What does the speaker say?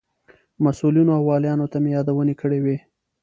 مسئولینو او والیانو ته مې یادونې کړې وې.